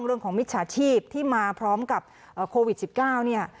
เรื่องของมิจฉาชีพที่มาพร้อมกับโควิด๑๙เนี่ย